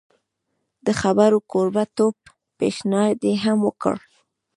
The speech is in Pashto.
د خبرو کوربه توب پېشنهاد یې هم وکړ.